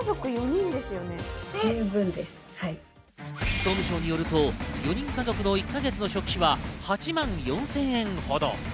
総務省によると４人家族の１か月の食費は８万４０００円ほど。